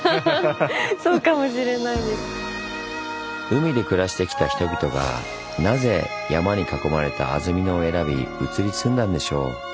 海で暮らしてきた人々がなぜ山に囲まれた安曇野を選び移り住んだんでしょう？